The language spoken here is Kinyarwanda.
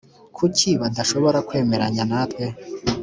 Kuki badashobora kwemeranya natwe